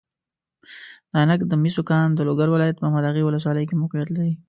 د عینک د مسو کان د لوګر ولایت محمداغې والسوالۍ کې موقیعت لري.